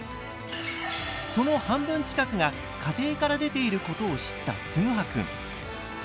その半分近くが家庭から出ていることを知ったつぐはくん。